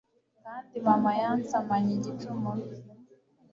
kandi mama yansamanye igicumuro